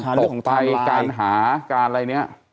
ในการตกไปการหาการอะไรเนี่ย